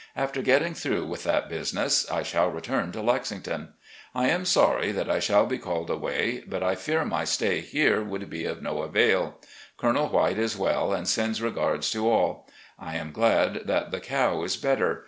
After getting through with that business, I shall return to Lexington. I am sorry that I shall be called away, but I fear my stay here would be of no avail. Colonel White is well and sends regards to all. I am glad that the cow is better.